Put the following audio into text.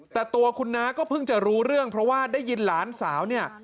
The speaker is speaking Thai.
แต่ตัวคุณน้าก็เพิ่งจะรู้เรื่องเพราะว่าได้ยินหลานสาวเนี่ย